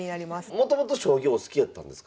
もともと将棋お好きやったんですか？